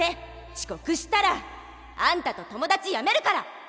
ちこくしたらあんたと友達やめるから。